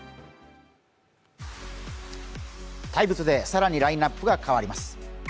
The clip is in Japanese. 「ＴＩＭＥ，ＴＯＤＡＹ」更にラインナップが変わります。